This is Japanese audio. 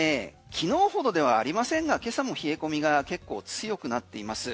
昨日ほどではありませんが今朝も冷え込みが結構強くなっています。